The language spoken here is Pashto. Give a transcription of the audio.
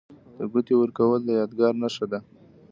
د ګوتې ورکول د یادګار نښه ده.